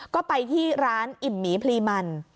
ก็ไปที่ร้านอิ่มหมีพลีมัน